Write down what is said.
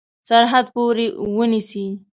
سرحد پوري ونیسي.